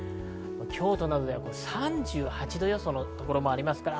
京都では３８度予想のところもありますから。